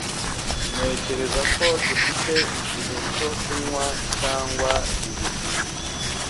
Ntekereza ko dufite igihe cyo kunywa cyangwa bibiri.